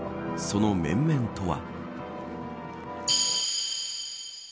その面々とは。